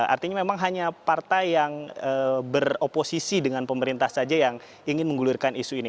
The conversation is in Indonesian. artinya memang hanya partai yang beroposisi dengan pemerintah saja yang ingin menggulirkan isu ini